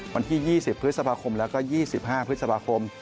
วันที่๒๐พฤษภาคมแล้วก็๒๕พฤษภาคม